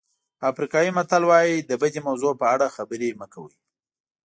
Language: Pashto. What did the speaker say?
افریقایي متل وایي د بدې موضوع په اړه خبرې مه کوئ.